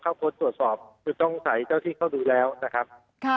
ค้นตรวจสอบคือต้องใส่เจ้าที่เขาดูแล้วนะครับ